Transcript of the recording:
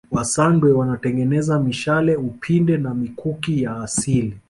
wasandawe wanatengeneza mishale upinde na mikuki ya asili